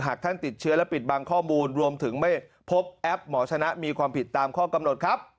ท่านติดเชื้อและปิดบังข้อมูลรวมถึงไม่พบแอปหมอชนะมีความผิดตามข้อกำหนดครับ